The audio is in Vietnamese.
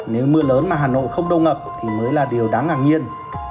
nếu mưa lớn mà hà nội không đông ngập thì mới là điều đáng ngạc nhiên